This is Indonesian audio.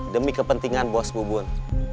demi kepentingan bos bubun